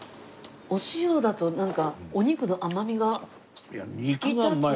お塩だとなんかお肉の甘みが引き立つ。